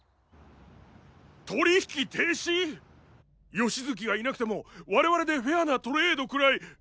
取り引き停止⁉吉月がいなくても我々でフェアなトレードくらい。